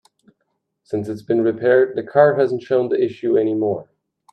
Since it's been repaired, the car hasn't shown the issue any more.